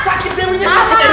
sakit dewinya sakit erin